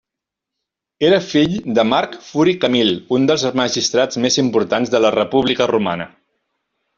Era fill de Marc Furi Camil, un dels magistrats més importants de la República romana.